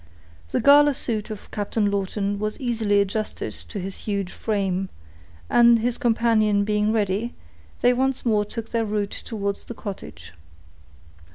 The gala suit of Captain Lawton was easily adjusted to his huge frame, and his companion being ready, they once more took their route towards the cottage.